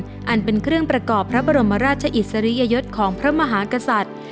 อันเป็นเครื่องประกอบพระบรมราชอิสริยยศของพระมหากษัตริย์